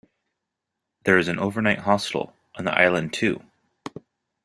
There is an overnight hostel on the island too.